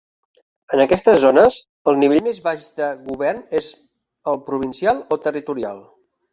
En aquestes zones, el nivell més baix de govern és el provincial o territorial.